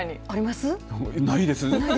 ないです。